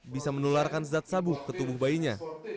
bisa menularkan zat sabu ke tubuh bayinya